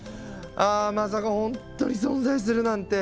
ああまさか本当に存在するなんて！